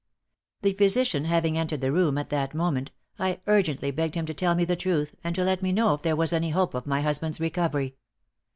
The physician having entered the room at that moment, I urgently begged him to tell me the truth, and to let me know if there was any hope of my husband's recovery.